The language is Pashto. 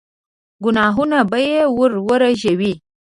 ګناهونه به يې ور ورژوي.